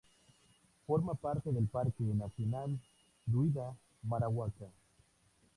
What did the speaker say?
Forma parte del Parque nacional Duida-Marahuaca.